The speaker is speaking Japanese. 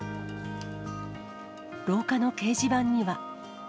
廊下の掲示板には。